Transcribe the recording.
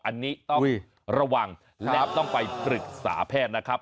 อันนี้ต้องระวังแล้วต้องไปปรึกษาแพทย์นะครับ